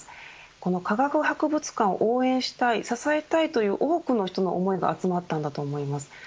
この、科学博物館を応援したい支えたいという多くの人の思いが集まったんだと思います。